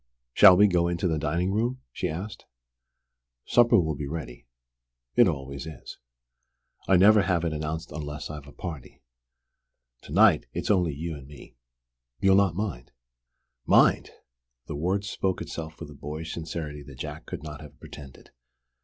"Shall we go into the dining room?" she asked. "Supper will be ready. It always is. I never have it announced unless I've a party. To night it's only you and me. You'll not mind?" "Mind!" The word spoke itself with a boyish sincerity that Jack could not have pretended.